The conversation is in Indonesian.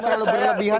itu terlalu berlebihan